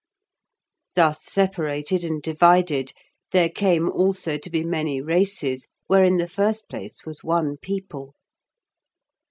Thus separated and divided, there came also to be many races where in the first place was one people.